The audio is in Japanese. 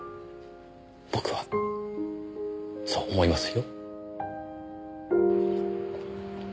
僕はそう思いますよ。